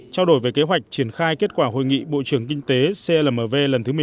trao đổi về kế hoạch triển khai kết quả hội nghị bộ trưởng kinh tế clmv lần thứ một mươi một